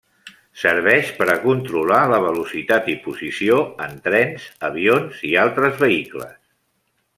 Serveix per a controlar la velocitat i posició en trens, avions i altres vehicles.